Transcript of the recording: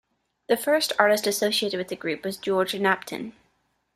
The first artist associated with the group was George Knapton.